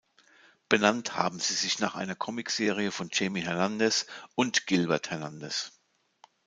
Benannt haben sie sich nach einer Comicserie von Jaime Hernandez und Gilbert Hernandez.